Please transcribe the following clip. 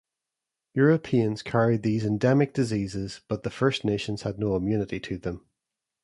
Europeans carried these endemic diseases but the First Nations had no immunity to them.